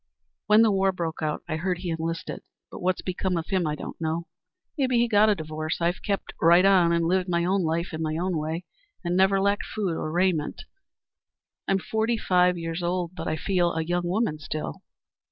When the war broke out I heard he enlisted, but what's become of him I don't know. Maybe he got a divorce. I've kept right on and lived my own life in my own way, and never lacked food or raiment. I'm forty five years old, but I feel a young woman still."